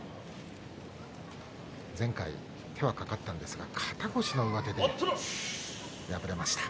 前回、手はかかったんですが肩越しの上手でした。